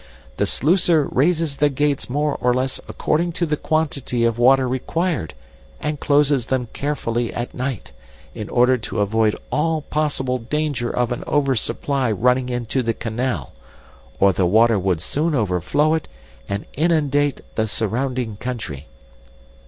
"The sluicer raises the gates more or less according to the quantity of water required, and closes them carefully at night, in order to avoid all possible danger of an oversupply running into the canal, or the water would soon overflow it and inundate the surrounding country.